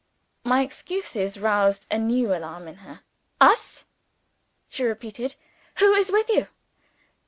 My excuses roused a new alarm in her. "Us?" she repeated. "Who is with you?"